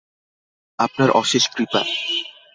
আপনার অশেষ কৃপা।